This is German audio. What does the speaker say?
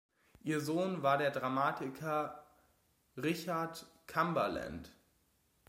Ihr Sohn war der Dramatiker Richard Cumberland.